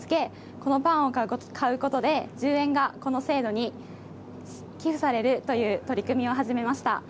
このパンを買うことで１０円がこの制度に寄付されるという取り組みを始めました。